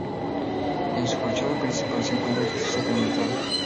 En su fachada principal se encuentra "Jesús Sacramentado".